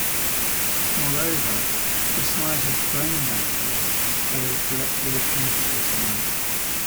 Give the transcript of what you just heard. Moreover, the size of the grain boundaries scales directly with particle size.